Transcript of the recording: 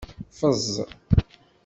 Ffeẓ.